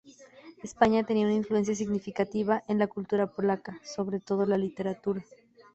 España tenía una influencia significativa en la cultura polaca, sobre todo la literatura.